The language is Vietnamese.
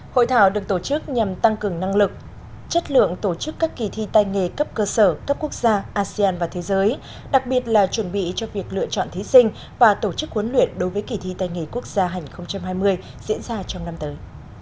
hội thảo được tổ chức nhằm tăng cường năng lực chất lượng tổ chức các kỳ thi tay nghề cấp cơ sở cấp quốc gia asean và thế giới đặc biệt là chuẩn bị cho việc lựa chọn thí sinh và tổ chức huấn luyện đối với kỳ thi tay nghề quốc gia hành hai mươi diễn ra trong năm tới